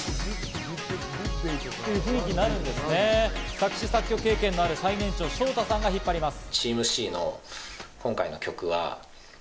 作詞・作曲経験のある最年長・ショウタさんが引っ張ります。